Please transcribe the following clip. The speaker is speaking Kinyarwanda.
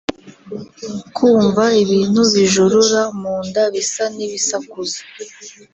kumva ibintu bijorora munda bisa n’ibisakuza